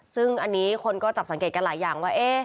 ซึ่งอันนี้คนก็จับสังเกตกันหลายอย่างว่า